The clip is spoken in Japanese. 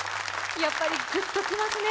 やっぱり、ぐっときますね。